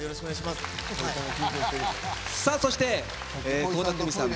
そして倖田來未さん